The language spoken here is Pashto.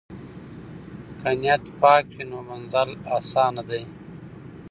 که نیت پاک وي نو منزل اسانه دی.